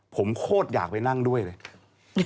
ผมโคตรอยากไปนั่งด้วยเลย